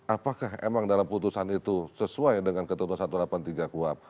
apakah emang dalam putusan itu sesuai dengan ketentuan satu ratus delapan puluh tiga kuhap